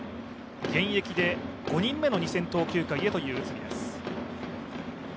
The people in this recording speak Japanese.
現役で５人目の２０００投球回へという内海です。